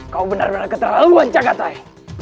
kau benar benar keterlaluan cagathai